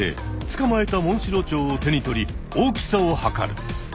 つかまえたモンシロチョウを手に取り大きさを測る。